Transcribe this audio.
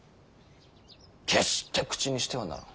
決して口にしてはならぬ。